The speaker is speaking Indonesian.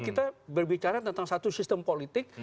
kita berbicara tentang satu sistem politik